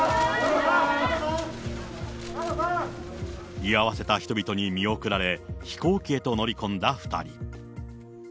居合わせた人々に見送られ、飛行機へと乗り込んだ２人。